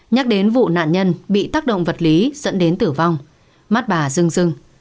nhắc đến vụ nạn nhân bị tác động vật lý dẫn đến tử vong mắt bà rưng dưng